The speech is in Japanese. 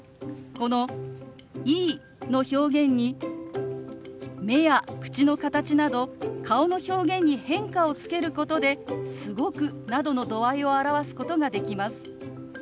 この「いい」の表現に目や口の形など顔の表現に変化をつけることで「すごく」などの度合いを表すことができます。